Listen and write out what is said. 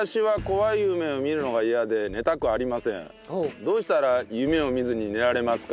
どうしたら夢を見ずに寝られますか？